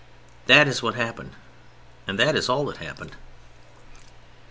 That is what happened, and that is all that happened.